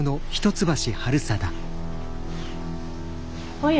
おや。